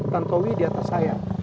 tantowi di atas saya